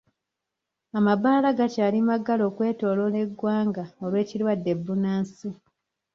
Amabaala gakyali maggale okwetooloola eggwanga olw'ekirwadde bbunansi.